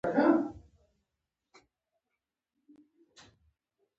ملګرتیا د یو ښه شخص سره د ګنیو په څېر ده.